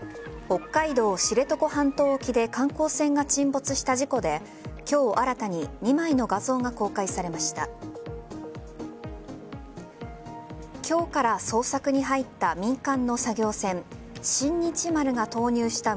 北海道知床半島沖で観光船が沈没した事故で今日新たに２枚の画像が公開されました。